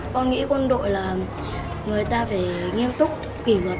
con nghĩ quân đội là người ta phải nghiêm túc kỷ luật